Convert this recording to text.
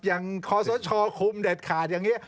อย่างคอโซชอลคุมเด็ดขาดอย่างนี้